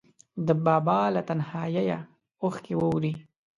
د بابا له تنهاییه اوښکې ووري